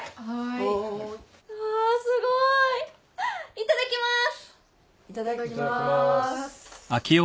いただきます。